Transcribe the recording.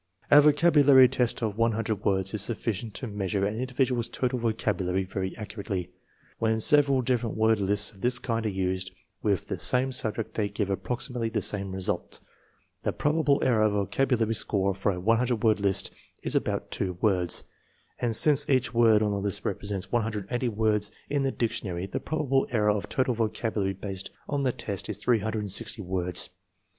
A vocabulary test of 100 words is sufficient to meas ure an individual's total vocabulary very accurately. When several different word lists of this kind are used with the same subject they give approximately the same result. The probable error of a vocabulary score for a 100 word list is about 2 words, and since each word in the list represents 180 words in the dic tionary, the probable error of total vocabulary based on the test is 360 words.